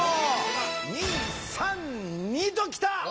「２」「３」「２」ときた！